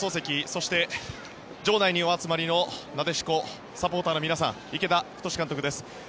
そして場内にお集まりのなでしこサポーターの皆さん池田太監督です。